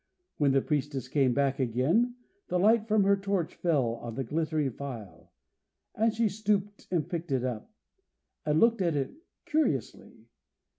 When the priestess came back again, the light from her torch fell on the glittering phial, and she stooped and picked it up, and looked at it curiously.